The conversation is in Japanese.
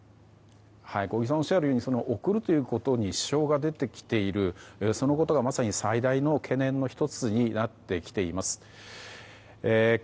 送るということに支障が出てきているそのことがまさに最大の懸念の１つになってきています。